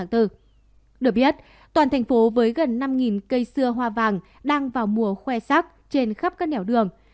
được biết toàn thành phố với gần năm cây xưa hoa vàng đang vào mùa khoe sắc trên khắp các nẻo đường